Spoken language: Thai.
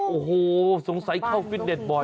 โอ้โหสงสัยเข้าฟิตเน็ตบ่อย